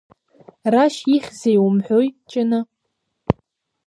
Рашь ихьзеи умҳәои, Ҷына?